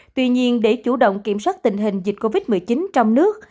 tuy nhiên để chủ động kiểm soát tình hình dịch covid một mươi chín trong nước